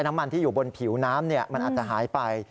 น้ำมันที่อยู่บนผิวน้ำมันอาจจะหายไป